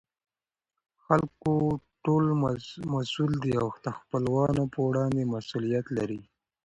خلکو ټول مسئوول دي او دخپلوانو په وړاندې مسئولیت لري.